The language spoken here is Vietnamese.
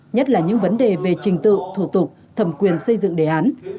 nhất là những vấn đề về trình tự thủ tục thẩm quyền xây dựng đề án